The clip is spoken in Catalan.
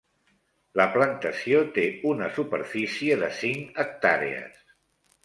La plantació té una superfície de cinc hectàrees.